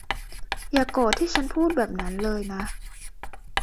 อย่าโกรธที่ฉันพูดแบบนั้นเลยนะ